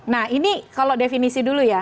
nah ini kalau definisi dulu ya